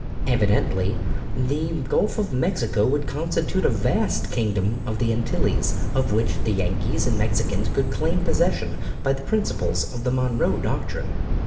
Evidently the Gulf of Mexico would constitute a vast kingdom of the Antilles, of which the Yankees and Mexicans could claim possession by the principles of the Monroe doctrine.